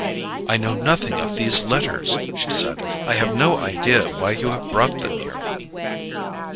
"I know nothing of these letters," she said; "I have no idea why you have brought them here."